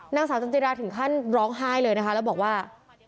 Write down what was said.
นางสาวจันจิราถึงขั้นร้องไห้เลยนะคะแล้วบอกว่า